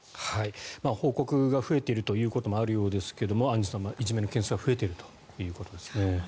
報告が増えているということもあるようですがアンジュさん、いじめの件数は増えているということですね。